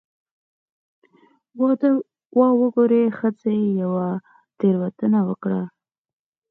'واه وګورئ، ښځې یوه تېروتنه وکړه'.